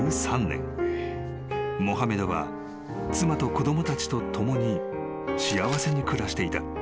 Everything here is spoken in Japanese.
［モハメドは妻と子供たちと共に幸せに暮らしていた］